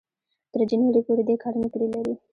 تر جنوري پورې دې کار نه پرې لري